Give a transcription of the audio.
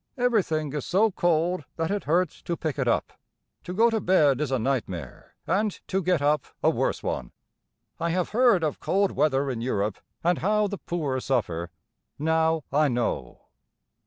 Everything is so cold that it hurts to pick it up. To go to bed is a nightmare and to get up a worse one. I have heard of cold weather in Europe, and how the poor suffer, now I know!